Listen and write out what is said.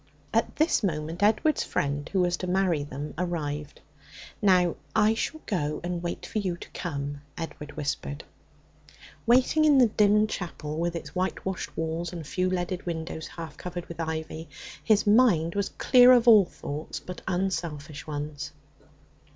At this moment Edward's friend, who was to marry them, arrived. 'Now I shall go and wait for you to come,' Edward whispered. Waiting in the dim chapel, with its whitewashed walls and few leaded windows half covered with ivy, his mind was clear of all thoughts but unselfish ones.